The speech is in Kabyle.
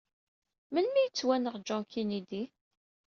Melmi ay yettwenɣ John Kennedy?